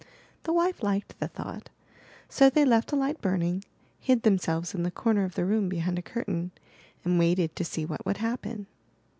'' The wife liked the thought; so they left a light burning, hid themselves in the corner of the room behind a curtain, and waited to see what would happen.